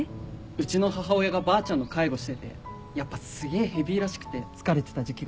うちの母親がばあちゃんの介護しててやっぱすげえヘビーらしくて疲れてた時期があったんで。